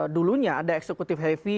dulunya ada eksekutif heavy